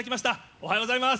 おはようございます。